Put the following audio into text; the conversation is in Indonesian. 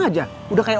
dia masih ke sini